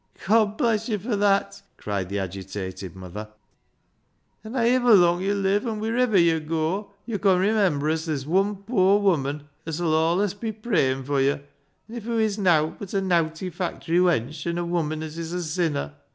" God bless yo' fur that " cried the agitated mother ;" an' ha'iver lung yo' live, an' wheriver yo' goa, yo' con remember as there's wun poor woman as 'ull alHs be prayin' for yo', if hoo is nowt but a nowty factory wench an' a woman as is a sinner."